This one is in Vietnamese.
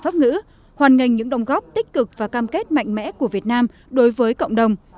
pháp ngữ hoàn ngành những đồng góp tích cực và cam kết mạnh mẽ của việt nam đối với cộng đồng